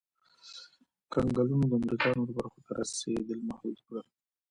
کنګلونو د امریکا نورو برخو ته رسېدل محدود کړل.